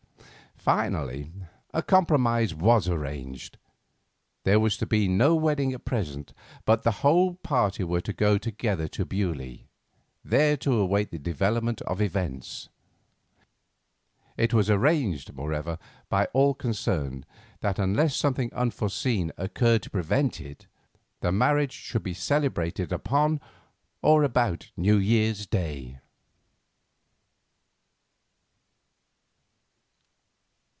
Finally, a compromise was arranged. There was to be no wedding at present, but the whole party were to go together to Beaulieu, there to await the development of events. It was arranged, moreover, by all concerned, that unless something unforeseen occurred to prevent it, the marriage should be celebrated upon or about New Year's Day.